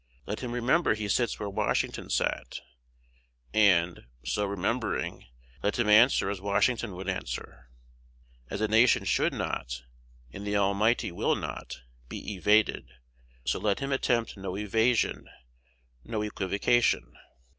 Let him remember he sits where Washington sat; and, so remembering, let him answer as Washington would answer. As a nation should not, and the Almighty will not, be evaded, so let him attempt no evasion, no equivocation.